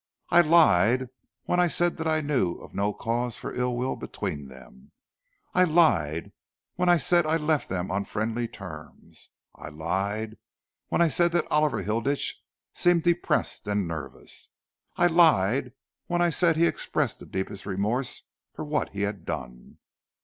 I lied when I said that I knew of no cause for ill will between them. I lied when I said that I left them on friendly terms. I lied when I said that Oliver Hilditch seemed depressed and nervous. I lied when I said that he expressed the deepest remorse for what he had done.